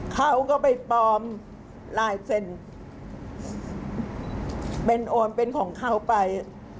เขาก็ไปปลอมลายเซ็นเป็นโอนเป็นของเขาไป